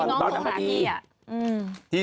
พี่น้องคงหลากี้